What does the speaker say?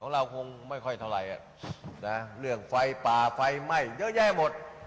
เราคงไม่ค่อยเท่าไหร่เรื่องไฟป่าไฟไหม้เยอะแยะหมด